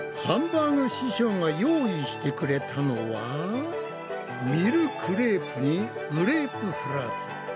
ハンバーグ師匠が用意してくれたのはミルクレープにグレープフルーツ。